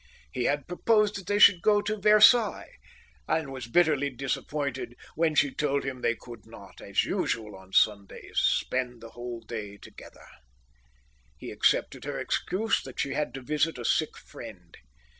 He had proposed that they should go to Versailles, and was bitterly disappointed when she told him they could not, as usual on Sundays, spend the whole day together. He accepted her excuse that she had to visit a sick friend.